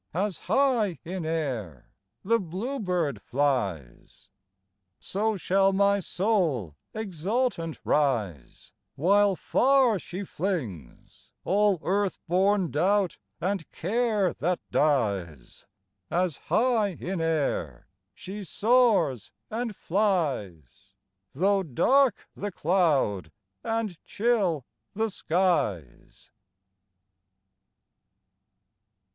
As high in air the bluebird flies, So shall my soul exultant rise, While far she flings All earth born doubt and care that dies, As high in air she soars and flies, Though dark the cloud, and chill the skies.